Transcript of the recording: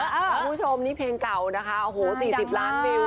คุณผู้ชมนี่เพลงเก่านะคะโอ้โห๔๐ล้านวิว